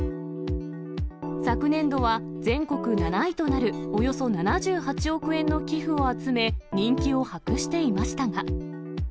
昨年度は、全国７位となる、およそ７８億円の寄付を集め、人気を博していましたが。